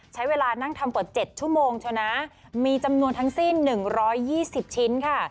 ใช้เวลานั่งทำกว่า๗ชั่วโมงเชียวนะมีจำนวนทั้งสิ้น๑๒๐ชิ้นค่ะ